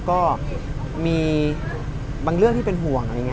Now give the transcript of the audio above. ก็เป็นอย่างนั้นให้หม่อม้าหวังอะไรอย่างนั้น